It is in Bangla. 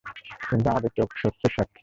কিন্তু আমাদের চোখ সত্যের সাক্ষী।